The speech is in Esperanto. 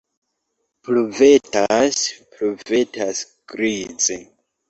Pluvetas, pluvetas grize.